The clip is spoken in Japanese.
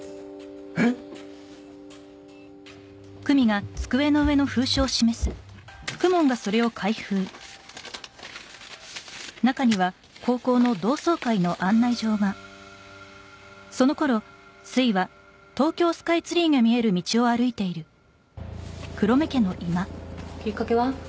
えっ？きっかけは？